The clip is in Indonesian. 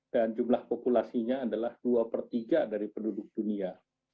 dan jumlah populasinya adalah dua per tiga dari penduduk dunia